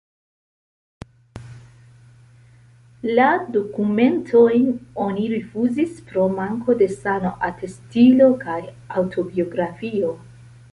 La dokumentojn oni rifuzis pro manko de sano-atestilo kaj aŭtobiografio.